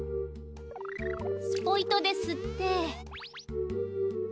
スポイトですって。